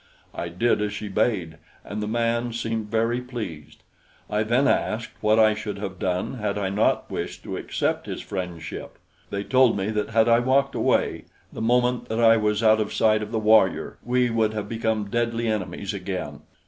I did as she bade, and the man seemed very pleased. I then asked what I should have done had I not wished to accept his friendship. They told me that had I walked away, the moment that I was out of sight of the warrior we would have become deadly enemies again.